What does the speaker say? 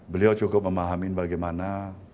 beliau cukup memahamin bagaimana